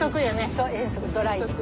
そう遠足ドライブ。